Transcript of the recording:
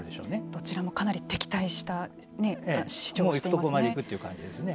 どちらもかなり敵対した主張をしていますね。